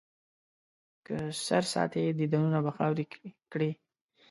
که سر ساتې، دیدنونه به خاورې کړي.